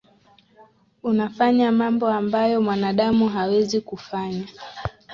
Unafanya mambo ambayo mwanadamu hawezi kufanya.